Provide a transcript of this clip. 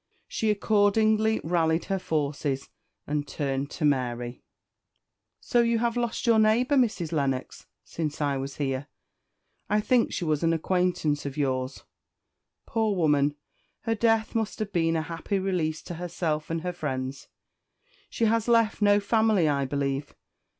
She accordingly rallied her forces, and turned to Mary. "So you have lost your neighbour, Mrs. Lennox, since I was here? I think she was an acquaintance of yours. Poor woman! her death must have been a happy release to herself and her friends. She has left no family, I believe?"